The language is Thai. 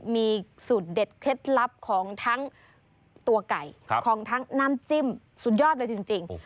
มีสูตรเด็ดเคล็ดลับของทั้งตัวไก่ของทั้งน้ำจิ้มสุดยอดเลยจริง